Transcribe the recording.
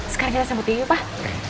sekarang kita sambutin pak